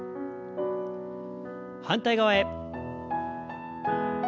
反対側へ。